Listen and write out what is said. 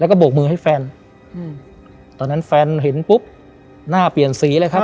แล้วก็โบกมือให้แฟนอืมตอนนั้นแฟนเห็นปุ๊บหน้าเปลี่ยนสีเลยครับ